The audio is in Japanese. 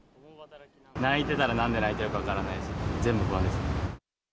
泣いてたら、なんで泣いてるのか分からないですね、全部不安ですね。